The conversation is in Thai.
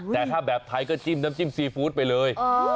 แต่ถ้าแบบไทยก็จิ้มน้ำจิ้มซีฟู้ดไปเลย